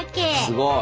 すごい。